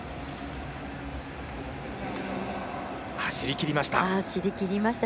走りきりました。